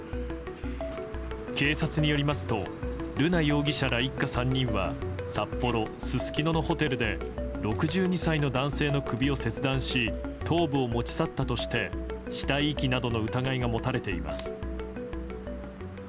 警察によりますと瑠奈容疑者ら一家３人は札幌市すすきののホテルで６２歳の男性の首を切断し頭部を持ち去ったとして死体遺棄などの疑いが持たれています。